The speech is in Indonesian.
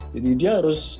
jadi dia harus